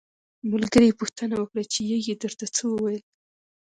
ملګري یې پوښتنه وکړه چې یږې درته څه وویل.